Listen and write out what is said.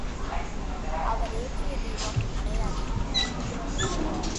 அவர் ஏற்றிய தீபம் அணையாது.